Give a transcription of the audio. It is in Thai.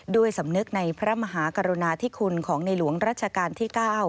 ด้วยสำนึกในพระมหากรุณาธิคุณของในหลวงรัชกาลที่๙